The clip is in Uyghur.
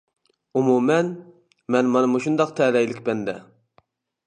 ئومۇمەن، مەن مانا مۇشۇنداق تەلەيلىك بەندە.